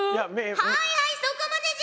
はいはいそこまでじゃ！